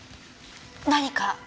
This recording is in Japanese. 何か？